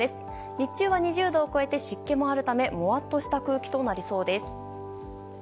日中は２０度を超えて湿気もあるためもわっとした空気となりそうです。